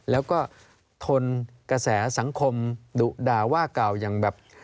แล้วก็ทนกระแสสังคมดุด่าว่าเก่าอย่างแบบ